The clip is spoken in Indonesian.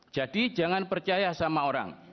jadi jangan percaya sama orang